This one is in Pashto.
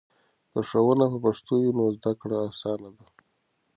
که ښوونه په پښتو وي نو زده کړه اسانه ده.